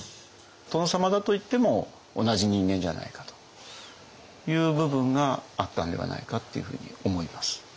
殿様だといっても同じ人間じゃないかという部分があったんではないかっていうふうに思います。